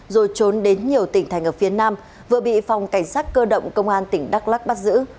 rồi trốn đến nhiều tỉnh thành ở phía nam vừa bị phòng cảnh sát cơ động công an tỉnh đắk lắc bắt giữ